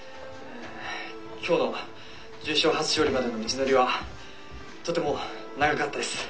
今日の重賞初勝利までの道のりはとても長かったです。